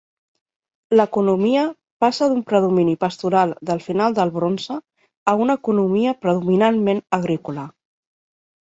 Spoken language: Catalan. L'economia passa d'un predomini pastoral del final del bronze a una economia predominantment agrícola.